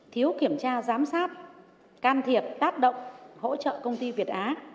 thiếu kiểm tra giám sát can thiệp tác động hỗ trợ công ty việt á